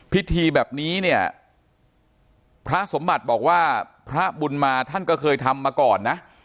พิธีแบบนี้เนี่ยพระสมบัติบอกว่าพระบุญมาท่านก็เคยทำมาก่อนนะ